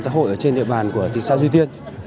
giá hội trên địa bàn của thị xã duy tiên